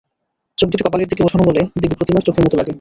চোখ দুটি কপালের দিকে ওঠান বলে-দেবী প্রতিমার চোখের মতো লাগে।